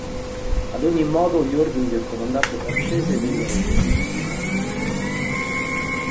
Ad ogni modo gli ordini del comandante francese vennero eseguiti.